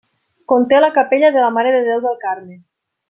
Conté la capella de la Mare de Déu del Carme.